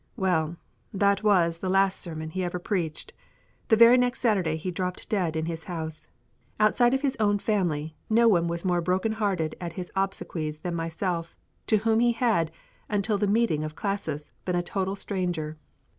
Well, that was the last sermon he ever preached. The very next Saturday he dropped dead in his house. Outside of his own family no one was more broken hearted at his obsequies than myself, to whom he had, until the meeting of Classis, been a total stranger.